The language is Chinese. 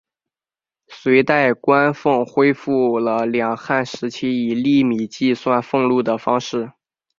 隋代官俸恢复了两汉时期以粟米计算俸禄的方式。